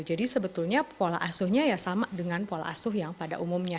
jadi sebetulnya pola asuhnya ya sama dengan pola asuh yang pada umumnya